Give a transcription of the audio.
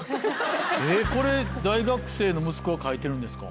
えっこれ大学生の息子が書いてるんですか？